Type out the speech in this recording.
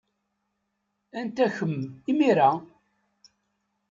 Anta kemm, imir-a?